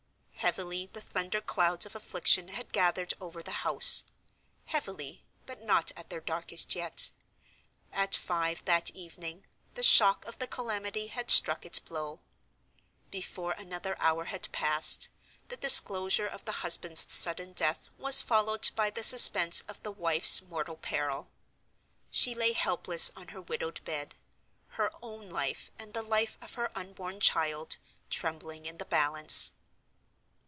Heavily the thunder clouds of Affliction had gathered over the house—heavily, but not at their darkest yet. At five, that evening, the shock of the calamity had struck its blow. Before another hour had passed, the disclosure of the husband's sudden death was followed by the suspense of the wife's mortal peril. She lay helpless on her widowed bed; her own life, and the life of her unborn child, trembling in the balance.